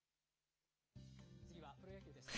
次は、プロ野球です。